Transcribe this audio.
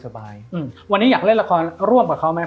สบายอืมวันนี้อยากเล่นละครร่วมกับเขาไหม